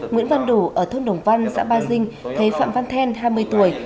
nguyễn văn đủ ở thôn đồng văn xã ba dinh thấy phạm văn then hai mươi tuổi